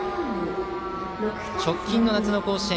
直近の夏の甲子園